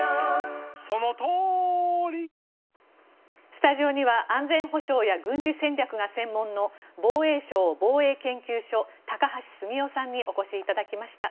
スタジオには安全保障や軍事戦略が専門の防衛省防衛研究所高橋杉雄さんにお越しいただきました。